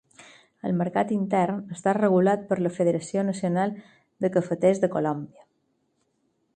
El mercat intern està regulat per la Federació Nacional de Cafeters de Colòmbia.